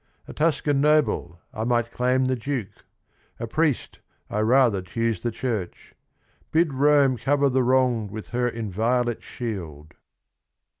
A Tuscan noble, I might claim the Duke : A priest, I rather choose the Church, — bid Rome Cover the wronged with her inviolate shield."